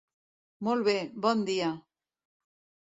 Molt bé, bon dia!